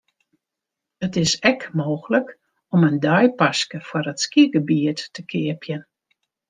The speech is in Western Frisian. It is ek mooglik om in deipaske foar it skygebiet te keapjen.